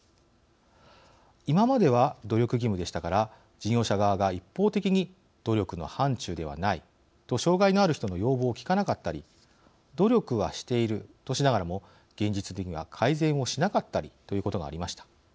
今までは努力義務でしたから事業者側が一方的に努力の範ちゅうではないと障害のある人の要望を聞かなかったり努力はしているとしながらも現実的には改善をしなかったりということがありました。